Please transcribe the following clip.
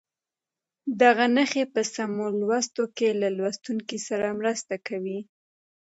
دغه نښې په سمو لوستلو کې له لوستونکي سره مرسته کوي.